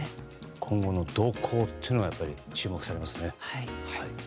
今後の動向というのが注目されますね。